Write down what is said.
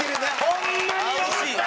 ホンマによかった！